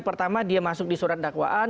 pertama dia masuk di surat dakwaan